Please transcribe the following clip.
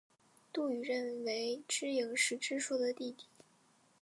杜预认为知盈是知朔的弟弟。